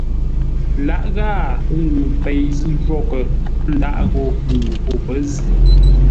Lǎʼ ghâa ŋuu pei zʉ́ jwôghʼ, n dághʼ ghó ŋuu o pə̌ zʉ́.